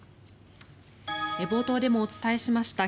冒頭でもお伝えしました